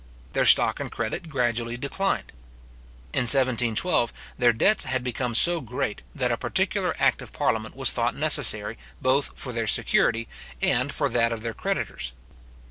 Their stock and credit gradually declined. In 1712, their debts had become so great, that a particular act of parliament was thought necessary, both for their security and for that of their creditors.